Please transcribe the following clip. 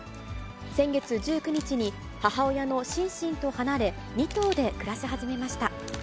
先月１９日に母親のシンシンと離れ、２頭で暮らし始めました。